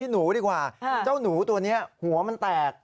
หนูดีกว่าเจ้าหนูตัวนี้หัวมันแตก